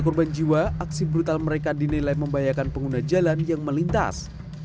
korban jiwa aksi brutal mereka dinilai membahayakan pengguna jalan yang melintas